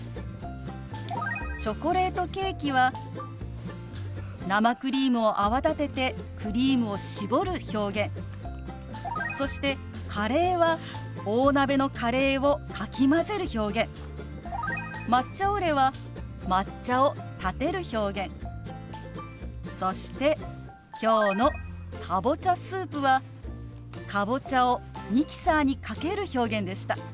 「チョコレートケーキ」は生クリームを泡立ててクリームを絞る表現そして「カレー」は大鍋のカレーをかき混ぜる表現「抹茶オレ」は抹茶をたてる表現そして今日の「かぼちゃスープ」はかぼちゃをミキサーにかける表現でした。